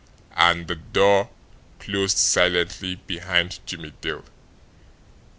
And the door had closed silently behind Jimmie Dale.